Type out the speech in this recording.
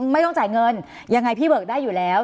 ไม่ต้องจ่ายเงินยังไงพี่เบิกได้อยู่แล้ว